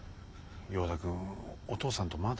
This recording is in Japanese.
ヨーダ君お父さんとまだ。